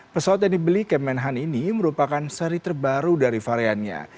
pesawat yang dibeli kemenhan ini merupakan seri terbaru dari variannya